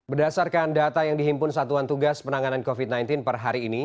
berdasarkan data yang dihimpun satuan tugas penanganan covid sembilan belas per hari ini